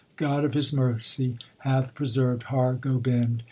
God of His mercy hath preserved Har Gobind.